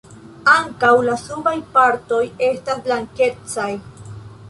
Ankaŭ la subaj partoj estas blankecaj.